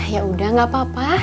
yaudah gak apa apa